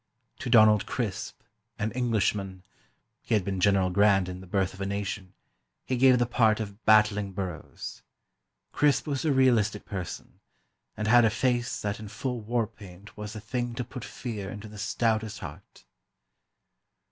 To Donald Crisp, an Englishman (he had been General Grant in "The Birth of a Nation"), he gave the part of Battling Burrows. Crisp was a realistic person, and had a face that in full war paint was a thing to put fear into the stoutest heart.